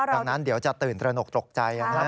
ดังนั้นเดี๋ยวจะตื่นตระหนกตกใจ